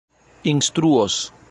instruos